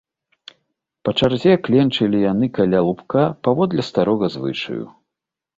Па чарзе кленчылі яны каля лубка, паводле старога звычаю.